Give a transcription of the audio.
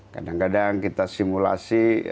kadang kadang kita simulasi konteknya ya